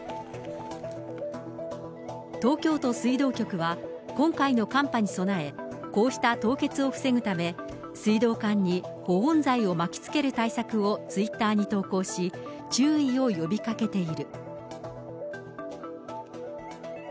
東京都水道局は、今回の寒波に備え、こうした凍結を防ぐため、水道管に保温材を巻き付ける対策をツイッターに投稿し、注意を呼びかけている。